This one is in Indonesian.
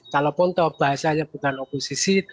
kalau pun bahasanya bukan oposisi